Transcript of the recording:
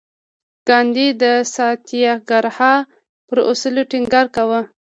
ګاندي د ساتیاګراها پر اصل ټینګار کاوه.